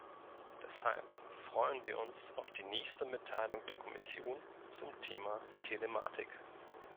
Deshalb freuen wir uns auf die nächste Mitteilung der Kommission zum Thema Telematik.